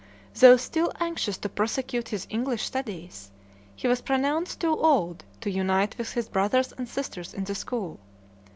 Though still anxious to prosecute his English studies, he was pronounced too old to unite with his brothers and sisters in the school.